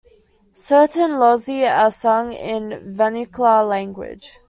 Certain Lozey are sung in vernacular language.